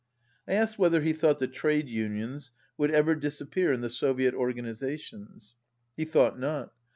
I asked whether he thought the trade unions would ever disappear in the Soviet organizations. He thought not.